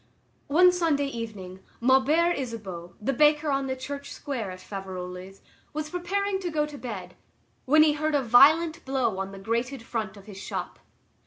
One Sunday evening, Maubert Isabeau, the baker on the Church Square at Faverolles, was preparing to go to bed, when he heard a violent blow on the grated front of his shop.